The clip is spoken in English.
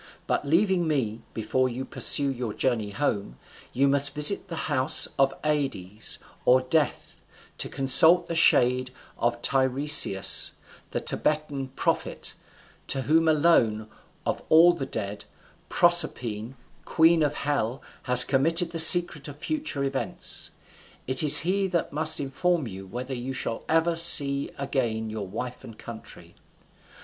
But leaving me, before you pursue your journey home, you must visit the house of Ades, or Death, to consult the shade of Tiresias the Theban prophet; to whom alone, of all the dead, Proserpine, queen of hell, has committed the secret of future events: it is he that must inform you whether you shall ever see again your wife and country."